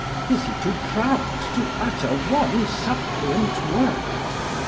Is he too proud to utter one suppliant word!